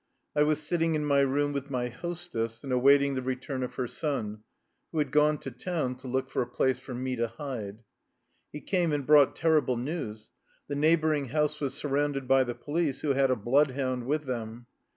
I was sitting in my room with my hostess and awaiting the return of her son, who had gone to town to look for a place for me to hide. He came and brought terrible news; the neighboring house was surrounded by the police, who had a bloodhound with them.